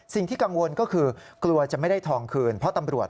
สิ่งที่กังวลก็คือกลัวจะไม่ได้ทองคืนเพราะตำรวจ